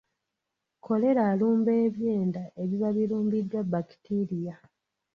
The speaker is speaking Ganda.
Kkolera alumba ebyenda ebiba birumbiddwa bbakitiriya.